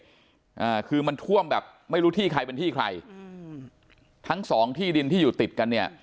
อ่าคือมันท่วมแบบไม่รู้ที่ใครเป็นที่ใครอืมทั้งสองที่ดินที่อยู่ติดกันเนี้ย